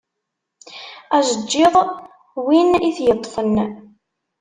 Ajeğğiḍ win i t-yeṭṭfen.